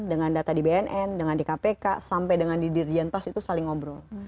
dengan data di bnn dengan di kpk sampai dengan di dirjen pas itu saling ngobrol